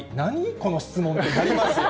この質問ってなりますよ。